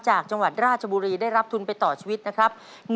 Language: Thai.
จังหวัดราชบุรีได้รับทุนไปต่อชีวิตนะครับ